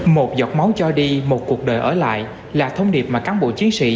một giọt máu cho đi một cuộc đời ở lại là thông điệp mà cán bộ chiến sĩ